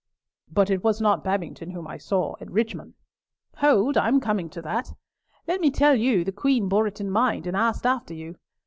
"But it was not Babington whom I saw at Richmond." "Hold, I am coming to that. Let me tell you the Queen bore it in mind, and asked after you.